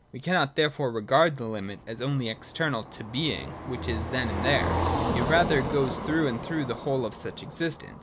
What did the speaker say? We cannot therefore regard the hmit as only ex ternal to being which is then and there. It rather goes through and through the whole of such existence.